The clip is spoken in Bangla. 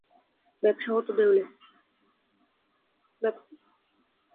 ব্যাবসা হত দেউলে।